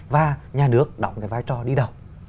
và nhà nước động cái vai trò đi đầu